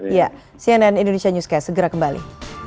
ya cnn indonesia newscast segera kembali